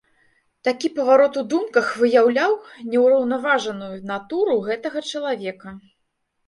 Такі паварот у думках выяўляў неўраўнаважаную натуру гэтага чалавека.